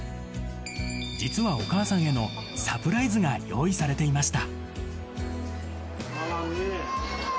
実はお母さんへのサプライズが用意されていました。